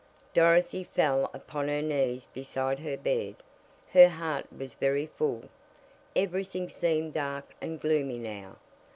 Dorothy fell upon her knees beside her bed. Her heart was very full, everything seemed dark and gloomy now.